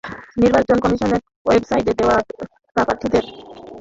নির্বাচন কমিশনের ওয়েবসাইটে দেওয়া প্রার্থীদের হলফনামা থেকে এসব তথ্য জানা গেছে।